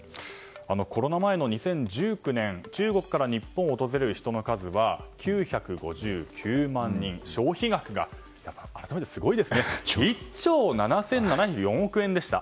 コロナ前の２０１９年中国から中国から日本を訪れる人の数は９５９万人消費額が１兆７７０４億円でした。